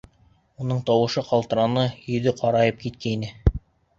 Уның тауышы ҡалтыраны, йөҙө ҡарайып киткәйне.